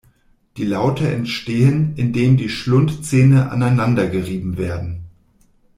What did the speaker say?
Die Laute entstehen, indem die Schlundzähne aneinander gerieben werden.